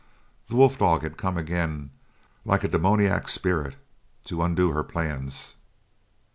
The wolf dog had come again like a demoniac spirit to undo her plans!